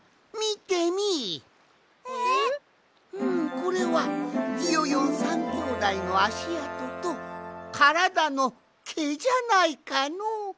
これはビヨヨン３きょうだいのあしあととからだのけじゃないかのう。